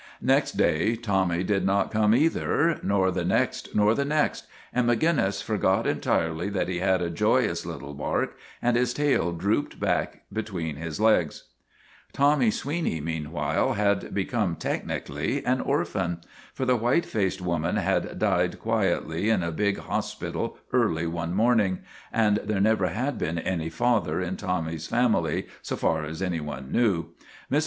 Next day Tommy did not come, either, nor the next, nor the next, and Maginnis for got entirely that he had a joyous little bark, and his tail drooped back between his legs. Tommy Sweeney, meanwhile, had become, tech nically, an orphan. For the white faced woman had died quietly in a big hospital early one morn ing; and there never had been any father in Tommy's family so far as any one knew. Mrs.